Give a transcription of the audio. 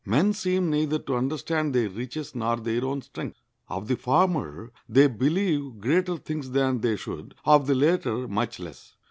Men seem neither to understand their riches nor their own strength. Of the former they believe greater things than they should; of the latter, much less.